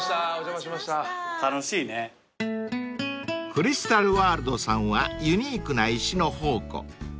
［クリスタル・ワールドさんはユニークな石の宝庫］